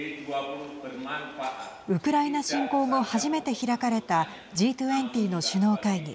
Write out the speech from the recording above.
ウクライナ侵攻後、初めて開かれたＧ２０の首脳会議。